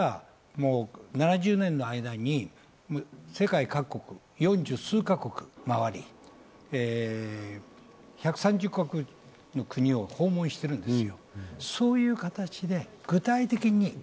７０年の間に世界各国、４０数か国周り、１３０か国の国を訪問しているんです。